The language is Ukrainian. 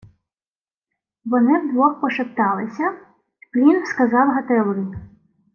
Вони вдвох пошепталися, й Плінф сказав Гатилові: